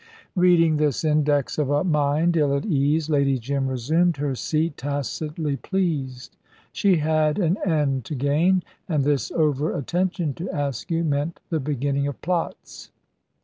Reading this index of a mind ill at ease, Lady Jim resumed her seat, tacitly pleased. She had an end to gain, and this over attention to Askew meant the beginning of plots.